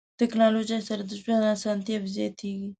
ټکنالوژي سره د ژوند اسانتیاوې زیاتیږي.